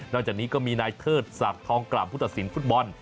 จากนี้ก็มีนายเทิดศักดิ์ทองกล่ำผู้ตัดสินฟุตบอล